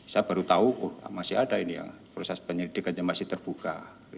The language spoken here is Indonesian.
saya baru tahu masih ada ini ya proses penyelidikannya masih terbuka